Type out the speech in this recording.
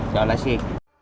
cho lái xe